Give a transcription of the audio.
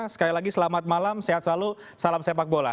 sekali lagi selamat malam sehat selalu salam sepak bola